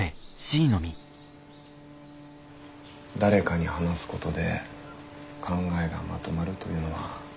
誰かに話すことで考えがまとまるというのは割とよくあります。